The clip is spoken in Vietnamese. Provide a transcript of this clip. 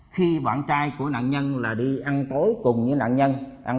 khi bạn trai của nạn nhân là đi ăn tối cùng với nạn nhân